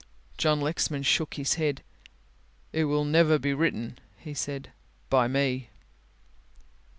John Lexman shook his head. "It will never be written," he said, " by me."